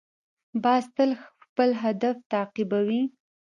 باز تل خپل هدف تعقیبوي